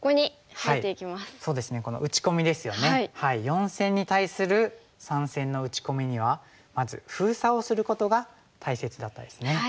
４線に対する３線の打ち込みにはまず封鎖をすることが大切だったですね。